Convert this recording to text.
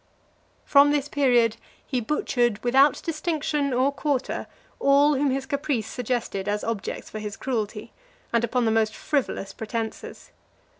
XXXVII. From this period he butchered, without distinction or quarter, all whom his caprice suggested as objects for his cruelty; and upon the most frivolous pretences.